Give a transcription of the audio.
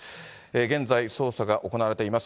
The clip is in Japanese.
現在、捜査が行われています。